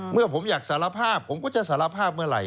เมื่อผมอยากสารภาพผมก็จะสารภาพเมื่อไหร่